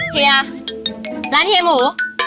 เฮียร้านเฮียหมู